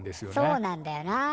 そうなんだよな。